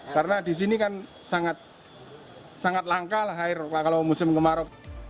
karena di sini kan sangat langka lah air kalau musim kemarau